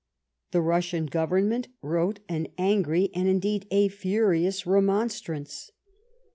The Russian Government wrote an angry and, indeed, a furious remonstrance.